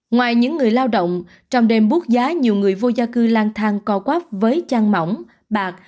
ngoài những người lao động trong đêm bút giá nhiều người vô gia cư lan thang co quáp với chăn mỏng bạc